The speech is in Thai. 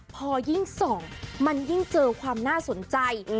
พอยิ่งส่องมันยิ่งเจอความน่าสนใจ